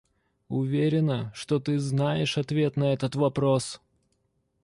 Уверена, что ты знаешь ответ на этот вопрос.